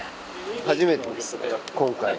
初めてですね今回。